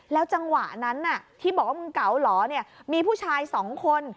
แล้วจังหวะนั้นีผู้ชาย๒คน